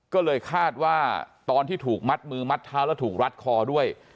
ก็เลยคาดว่าตอนที่ถูกมัดมือมัดเท้าแล้วถูกรัดคอด้วย